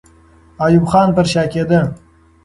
ایوب خان پر شا کېده.